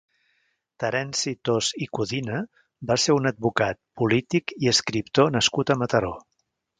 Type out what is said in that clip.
Terenci Thos i Codina va ser un advocat, polític i escriptor nascut a Mataró.